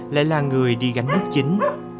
lại là người đi gánh nước chính